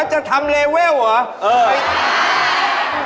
จะทำเลเวลเหรอ